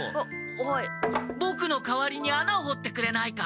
ボクの代わりに穴を掘ってくれないか？